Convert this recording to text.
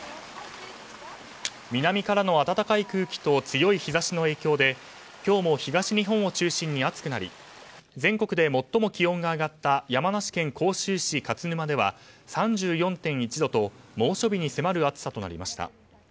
南からの暖かい空気と強い日差しの影響で今日も東日本を中心に暑くなり全国で最も気温が上がった山梨県甲州市勝沼では３４．１度と猛暑日に迫る暑さとなりました。